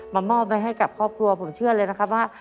มอบไว้ให้กับครอบครัวผมเชื่อเลยนะครับว่า